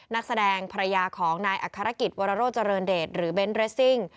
นักแสดงภรรยาของนายอัครกิจวรโรเจริญเดชหรือเบนท์เรสซิ่ง